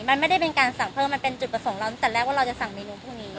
มันไม่ได้เป็นการสั่งเพิ่มมันเป็นจุดประสงค์เราตั้งแต่แรกว่าเราจะสั่งเมนูพวกนี้